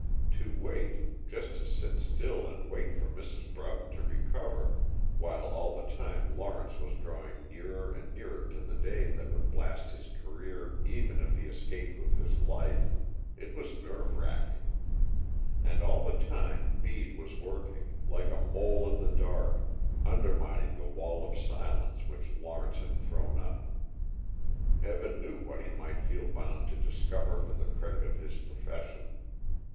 To wait, just to sit still and wait for Mrs. Broughton to recover, while all the time Lawrence was drawing nearer and nearer to the day that would blast his career even if he escaped with his life, it was nerve racking. And all the time Bede was working, like a mole in the dark, undermining the wall of silence which Lawrence had thrown up. Heaven knew what he might feel bound to discover for the credit of his profession!